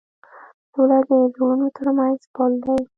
سوله د زړونو تر منځ پُل دی.